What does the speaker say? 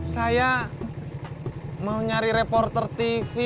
saya mau nyari reporter tv